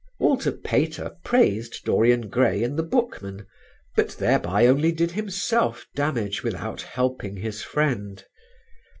Walter Pater praised "Dorian Gray" in the Bookman; but thereby only did himself damage without helping his friend.